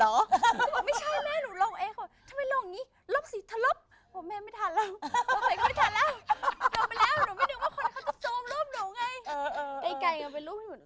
ก็บอกว่าไม่ใช่แม่หนูลงเองก็บอกว่าทำไมลงอย่างนี้ลบสิถ้าลบพ่อแม่ไม่ทานแล้วพ่อใส่ก็ไม่ทานแล้วลบไปแล้วหนูไม่นึกว่าคนเขาจะโซมรูปหนูไง